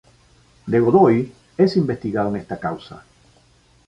De Godoy es investigado en esta causa.